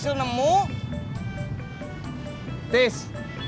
kau juga mampu secantik nyetak